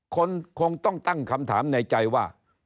คงต้องตั้งคำถามในใจว่า